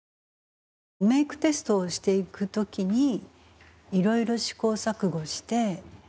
メークテストをしていく時にいろいろ試行錯誤してやっていきましたね。